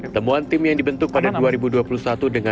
temuan tim yang dibentuk pada dua ribu dua puluh satu dengan